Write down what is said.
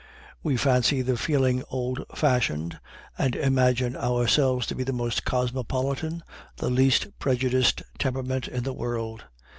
We fancy the feeling old fashioned, and imagine ours to be the most cosmopolitan, the least prejudiced temperament in the world.